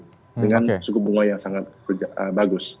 dengan suku bunga yang sangat bagus